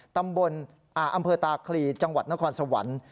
ตำบลอำเภอตาคลีจังหวัดนครสวรรค์